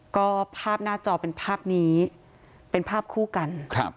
ก็ภาพหน้าจอเป็นภาพนี้เป็นภาพคู่กันครับ